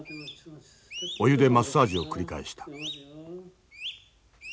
お湯でマッサージを繰り返した。